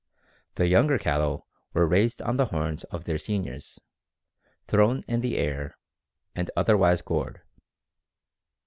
The younger cattle were raised on the horns of their seniors, thrown in the air, and otherwise gored."